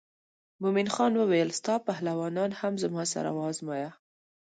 مومن خان وویل ستا پهلوانان هم زما سره وازمایه.